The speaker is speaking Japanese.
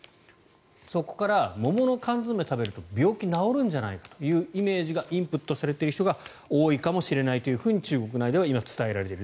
そこから桃の缶詰を食べると病気が治るんじゃないかというイメージがインプットされている人が多いかもしれないと中国内では今、伝えられている。